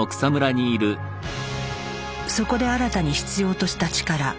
そこで新たに必要とした力。